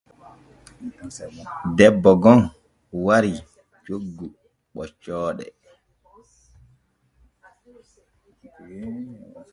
Debbo gom warii coggu ɓoccooɗe.